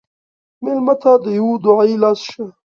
مېلمه ته د یوه دعایي لاس شه.